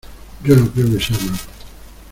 yo no creo que sea malo